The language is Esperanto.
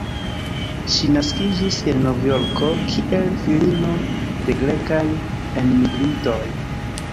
Ŝi naskiĝis en Novjorko, kiel filino de grekaj enmigrintoj.